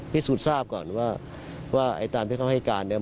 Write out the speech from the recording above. พิสูจน์ทราบก่อนว่าว่าไอ้ตาลพลิกเข้าไทยการ